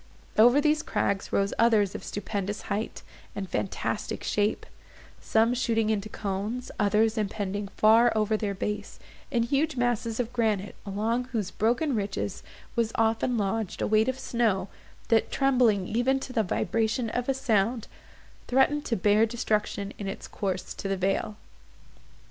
Over these crags rose others of stupendous height, and fantastic shape; some shooting into cones; others impending far over their base, in huge masses of granite, along whose broken ridges was often lodged a weight of snow, that, trembling even to the vibration of a sound, threatened to bear destruction in its course to the vale.